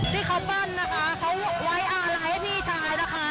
ที่เขาปั้นนะคะเขาไว้อาลัยให้พี่ชายนะคะ